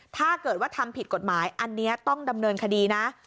ถ้าเกิดว่าทำผิดกฎหมายอันนี้ต้องดำเนินคดีนะ